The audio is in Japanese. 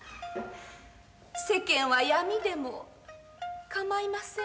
世間は闇でも構いませんわ。